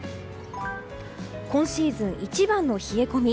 今シーズン一番の冷え込み。